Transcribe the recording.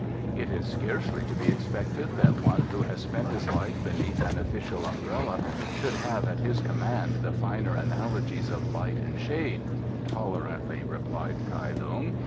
"It is scarcely to be expected that one who has spent his life beneath an official umbrella should have at his command the finer analogies of light and shade," tolerantly replied Kai Lung.